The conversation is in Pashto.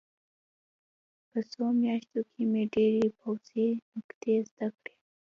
په څو میاشتو کې مې ډېرې پوځي نکتې زده کړې